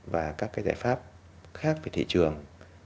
và các cái giải pháp khác về thị trường